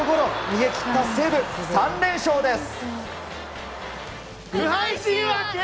逃げ切った西武。３連勝です。